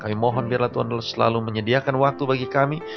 kami mohon biarlah tuhan selalu menyediakan waktu bagi kami